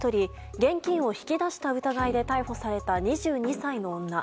現金を引き出した疑いで逮捕された２２歳の女。